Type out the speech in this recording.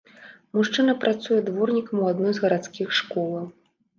Мужчына працуе дворнікам у адной з гарадскіх школаў.